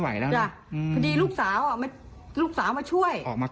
ไม่รอดคุณพระกอธิบาย